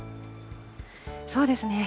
そうですね。